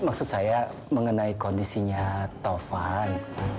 maksud saya mengenai kondisinya tovan